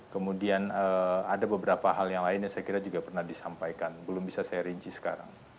kemudian ada beberapa hal yang lain yang saya kira juga pernah disampaikan belum bisa saya rinci sekarang